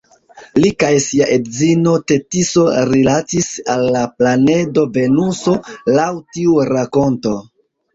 Li kaj sia edzino Tetiso rilatis al la planedo Venuso, laŭ tiu rakonto.